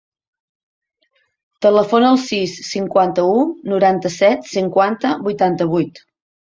Telefona al sis, cinquanta-u, noranta-set, cinquanta, vuitanta-vuit.